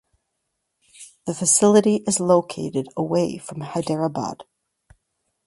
The facility is located away from Hyderabad.